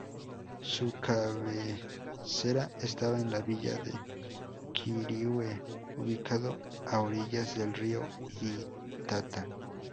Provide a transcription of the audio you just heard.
Su cabecera estaba en la Villa de Quirihue, ubicado a orillas del río Itata.